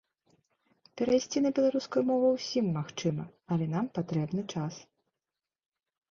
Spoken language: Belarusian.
Перайсці на беларускую мову ўсім магчыма, але нам патрэбны час.